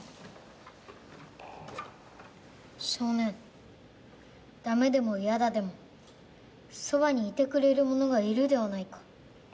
少年「駄目」でも「やだ」でもそばにいてくれる者がいるではないか。